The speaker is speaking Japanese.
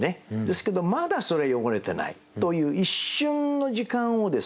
ですけどまだそれは汚れてないという一瞬の時間をですね